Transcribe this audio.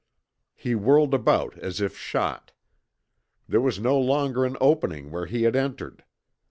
He whirled about as if shot. There was no longer an opening where he had entered.